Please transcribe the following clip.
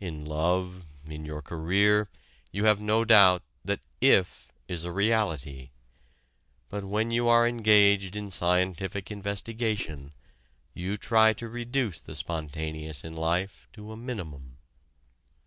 In love, in your career, you have no doubt that "if" is a reality. But when you are engaged in scientific investigation, you try to reduce the spontaneous in life to a minimum.